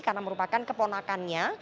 karena merupakan keponakannya